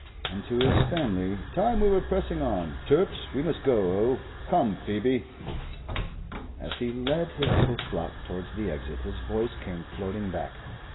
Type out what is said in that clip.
And to his family, "Time we were pressing on. Turps, we must go o. Come, Phoebe!" As he led his little flock towards the exit his voice came floating back.